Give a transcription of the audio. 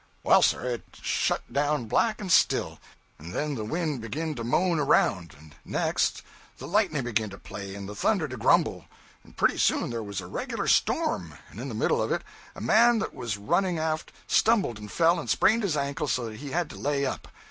Well, sir, it shut down black and still, and then the wind begin to moan around, and next the lightning begin to play and the thunder to grumble. And pretty soon there was a regular storm, and in the middle of it a man that was running aft stumbled and fell and sprained his ankle so that he had to lay up.